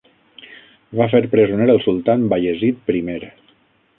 Va fer presoner el Sultan Bayezid I.